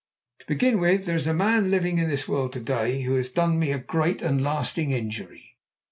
To begin with, there is a man living in this world to day who has done me a great and lasting injury.